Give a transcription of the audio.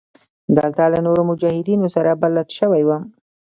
دلته له نورو مجاهدينو سره بلد سوى وم.